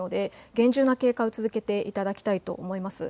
厳重な警戒を続けていただきたいと思います。